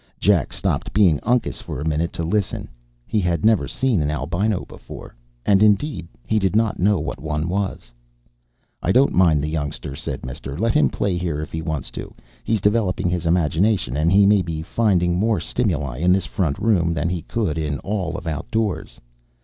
Jack stopped being Uncas for a minute to listen. He had never seen an albino before, and, indeed, he did not know what one was. "I don't mind the youngster," said Mister. "Let him play here if he wants to. He's developing his imagination, and he may be finding more stimuli in this front room than he could in all of outdoors.